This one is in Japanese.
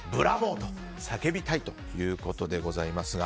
と叫びたいということでございますが。